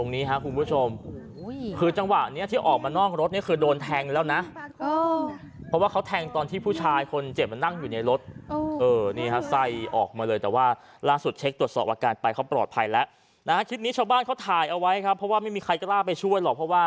ดูภาพที่นั้นมีคลิปคนถ่ายออกไปด้วย